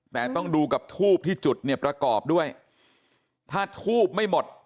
แต่ต้องดูกับทูบที่จุดเนี่ยประกอบด้วยถ้าทูบไม่หมด